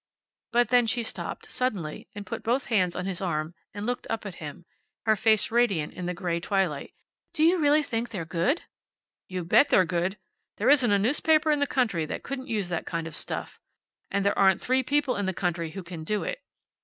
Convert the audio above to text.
But then she stopped, suddenly, and put both hands on his arm, and looked up at him, her face radiant in the gray twilight. "Do you really think they're good!" "You bet they're good. There isn't a newspaper in the country that couldn't use that kind of stuff. And there aren't three people in the country who can do it.